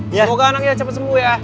semoga anaknya cepet sembuh ya